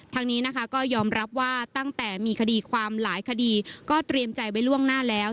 ทางนี้นะคะก็ยอมรับว่าตั้งแต่มีคดีความหลายคดีก็เตรียมใจไว้ล่วงหน้าแล้ว